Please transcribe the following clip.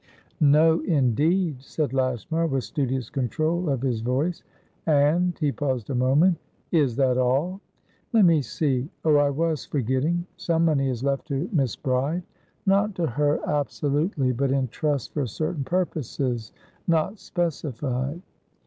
"No, indeed," said Lashmar, with studious control of his voice. "And"he paused a moment"is that all?" "Let me seeOh, I was forgetting. Some money is left to Miss Bride; not to her absolutely, but in trust for certain purposes not specified."